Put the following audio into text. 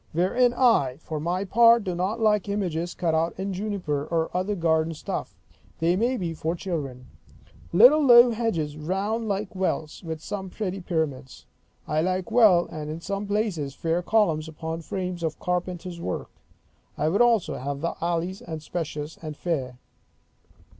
Wherein I, for my part, do not like images cut out in juniper or other garden stuff; they be for children. Little low hedges, round, like welts, with some pretty pyramids, I like well; and in some places, fair columns upon frames of carpenter's work. I would also have the alleys, spacious and fair.